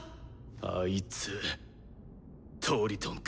あいつトリトンか。